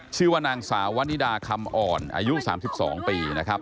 ชื่อว่านางสาววนิดาคำอ่อนอายุ๓๒ปีนะครับ